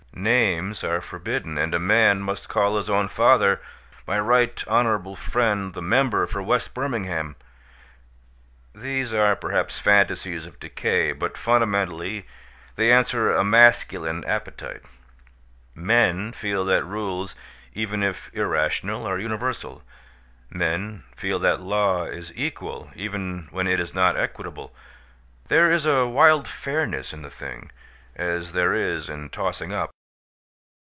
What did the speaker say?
Names are forbidden, and a man must call his own father "my right honorable friend the member for West Birmingham." These are, perhaps, fantasies of decay: but fundamentally they answer a masculine appetite. Men feel that rules, even if irrational, are universal; men feel that law is equal, even when it is not equitable. There is a wild fairness in the thing as there is in tossing up.